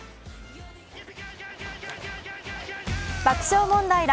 爆笑問題ら